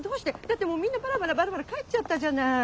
だってもうみんなバラバラバラバラ帰っちゃったじゃない。